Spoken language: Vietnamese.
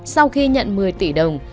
sau khi nhận một mươi tỷ đồng